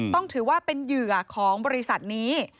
ต้องถือว่าเป็นเหยื่อของบริษัทนี้